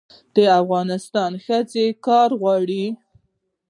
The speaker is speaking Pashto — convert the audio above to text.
د افغانستان ښځې کار غواړي